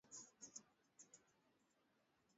wanajiainisha kama machotara wa KizunguKiindio Wazungu